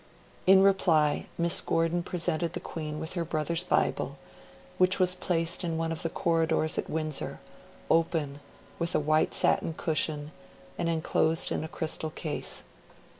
In reply, Miss Gordon presented the Queen with her brother's Bible, which was placed in one of the corridors at Windsor, open, on a white satin cushion, and enclosed in a crystal case.